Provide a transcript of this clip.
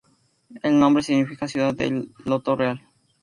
El nombre significa "ciudad de loto real".